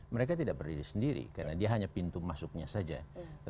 mereka tidak berdiri sendiri karena dia hanya pintu masuknya saja